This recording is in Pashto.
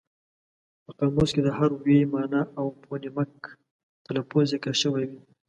په قاموس کې د هر ویي مانا او فونیمک تلفظ ذکر شوی وي.